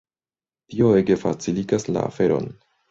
Tio ege faciligas la aferon.